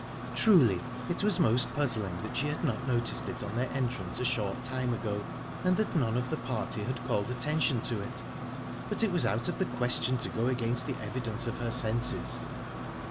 Truly, it was most puzzling that she had not noticed it on their entrance a short time ago, and that none of the party had called attention to it, but it was out of the question to go against the evidence of her senses.